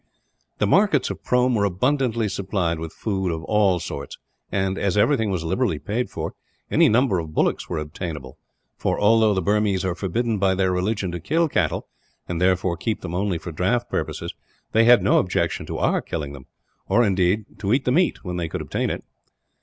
The markets of Prome were abundantly supplied with food of all sorts and, as everything was liberally paid for, any number of bullocks were obtainable for, although the Burmese are forbidden by their religion to kill cattle, and therefore keep them only for draught purposes, they had no objection to our killing them; or indeed, to eat the meat, when they could obtain it.